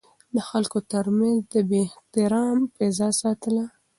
د خلکو ترمنځ يې د احترام فضا ساتله.